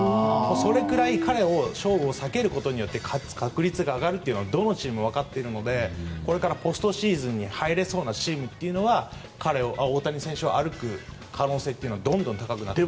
それくらい、彼との勝負を避けることによって勝つ確率が上がることはどのチームも分かっているのでこれからポストシーズンに入れそうなチームは大谷選手を歩く可能性はどんどん高くなっていく。